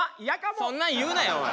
そんなん言うなよおい。